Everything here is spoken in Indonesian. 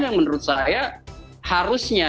yang menurut saya harusnya